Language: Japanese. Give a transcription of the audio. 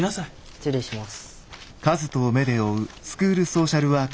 失礼します。